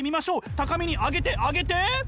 高みにあげてあげて！